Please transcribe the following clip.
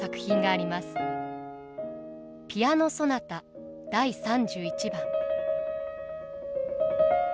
「ピアノソナタ第３１番」。